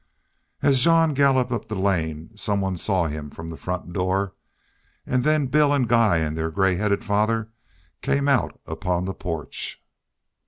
As Jean galloped up the lane some one saw him from the door, and then Bill and Guy and their gray headed father came out upon the porch.